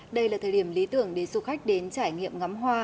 đây là thời điểm lý tưởng để du khách đến trải nghiệm ngắm hoa